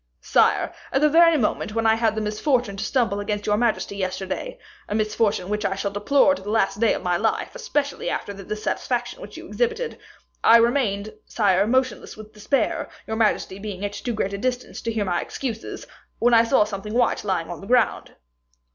"Sire, at the very moment when I had the misfortune to stumble against your majesty yesterday a misfortune which I shall deplore to the last day of my life, especially after the dissatisfaction which you exhibited I remained, sire, motionless with despair, your majesty being at too great a distance to hear my excuses, when I saw something white lying on the ground."